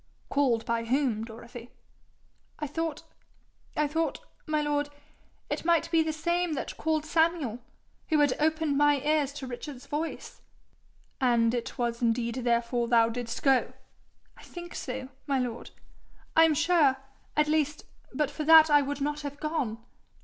'Called by whom, Dorothy?' 'I thought I thought, my lord, it might be the same that called Samuel, who had opened my ears to hear Richard's voice.' 'And it was indeed therefore thou didst go?' 'I think so, my lord. I am sure, at least, but for that I would not have gone.